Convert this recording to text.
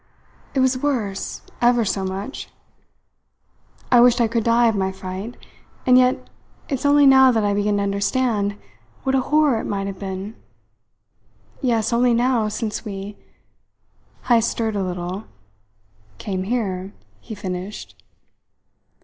It was worse, ever so much. I wished I could die of my fright and yet it's only now that I begin to understand what a horror it might have been. Yes, only now, since we " Heyst stirred a little. "Came here," he finished.